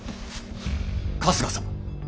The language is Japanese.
春日様！